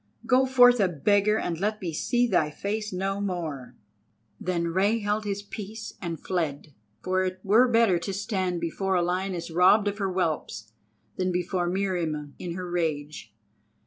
Go forth a beggar, and let me see thy face no more!" Then Rei held his peace and fled, for it were better to stand before a lioness robbed of her whelps than before Meriamun in her rage.